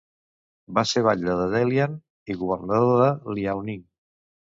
Va ser batlle de Dalian i governador de Liaoning.